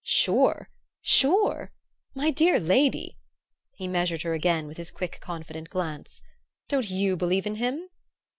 "Sure! Sure! My dear lady " he measured her again with his quick confident glance. "Don't you believe in him?"